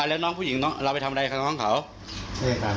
อ่ะแล้วน้องผู้หญิงน้องเราไปทำอะไรคะน้องเขาเรื่องยังกัน